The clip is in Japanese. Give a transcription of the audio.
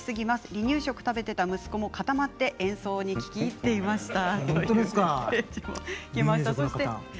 離乳食を食べていた息子も固まって演奏に聴き入っていました。